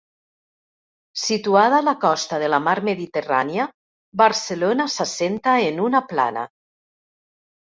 Situada a la costa de la mar Mediterrània, Barcelona s'assenta en una plana.